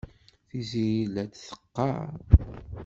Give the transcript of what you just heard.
Tiziri la t-teqqar.